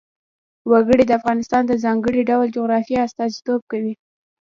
وګړي د افغانستان د ځانګړي ډول جغرافیه استازیتوب کوي.